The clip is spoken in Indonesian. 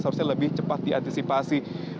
seharusnya lebih cepat diantisipasi